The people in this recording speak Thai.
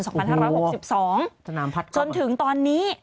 สนามพัดข้อมือจนถึงตอนนี้